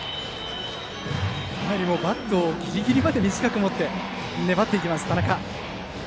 バットをギリギリまで短く持って粘ります田中。